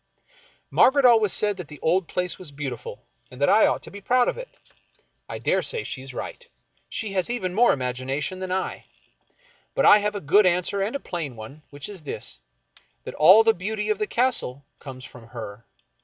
Margaret always said that the old place was beautiful, and that I ought to be proud of it. I dare say she is right. She has even more imagination than I. But I have a good answer and a plain one, which is this, — that all the beauty of the Castle comes from her.